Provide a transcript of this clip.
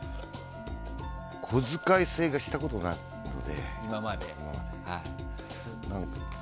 小遣い制はしたことないので。